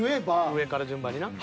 上から順番にな。